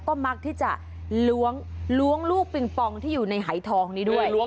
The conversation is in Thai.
ก็มักที่จะล้วงลูกปิงปองที่อยู่ในหายทองนี้ด้วย